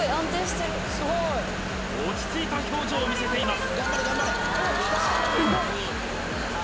落ち着いた表情を見せています